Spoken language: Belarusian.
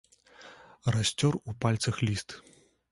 Расцёр у пальцах ліст.